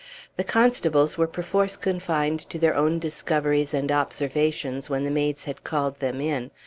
The constables were perforce confined to their own discoveries and observations when the maids had called them in.